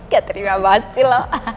gak terima banget sih lo